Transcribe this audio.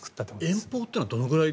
遠方というのはどのくらい。